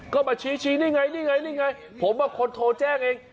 ก็มาชี้นี่ไงผมว่าคนโทรแจ้งเอง